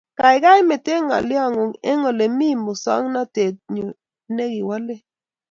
Kaigai mete ng'alyo ng'ung' eng ole mii msowognatet nyuu ne kiwalee